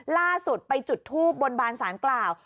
ล่าสุดไปจุดทูบบนบานสารกล่าว